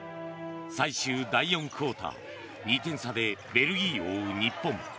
最終第４クオーター２点差でベルギーを追う日本。